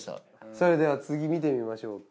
それでは次見てみましょうか。